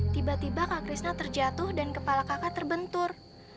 tiba tiba kakak krishna terjatuh dan kepala kakak terbentur